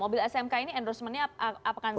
mobil smk ini endorsement nya apakah sejauh apa